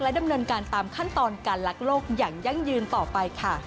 ดำเนินการตามขั้นตอนการลักโลกอย่างยั่งยืนต่อไปค่ะ